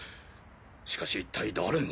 しかし一体誰が？